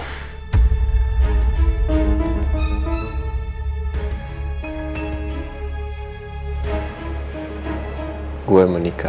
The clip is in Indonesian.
lo bisa percaya sama gue sekarang